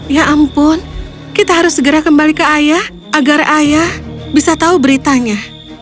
ya ampun kita harus segera kembali ke ayah agar ayah bisa tahu beritanya